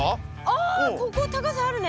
ああここ高さあるね。